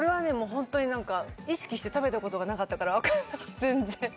ホントに意識して食べた事がなかったからわかんなくて全然。